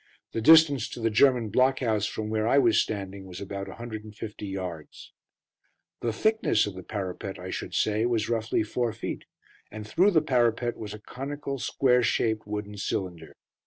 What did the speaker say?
The distance to the German block house from where I was standing was about 150 yards. The thickness of the parapet, I should say, was roughly four feet; and through the parapet was a conical, square shaped, wooden cylinder.